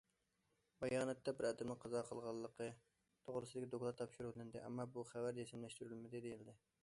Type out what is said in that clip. باياناتتا، بىر ئادەمنىڭ قازا قىلغانلىقى توغرىسىدىكى دوكلات تاپشۇرۇۋېلىندى، ئەمما بۇ خەۋەر جەزملەشتۈرۈلمىدى، دېيىلدى.